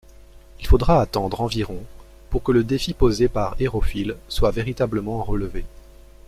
Il faudra attendre environ pour que le défi posé par Hérophile soit véritablement relevé.